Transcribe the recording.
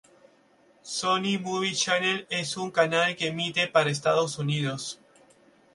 Sony Movie Channel es un canal que emite para Estados Unidos.